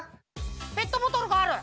ペットボトルがある。